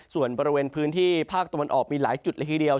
ส่วนบริเวณพื้นที่ภาคตะวันออกมีหลายจุดละทีเดียว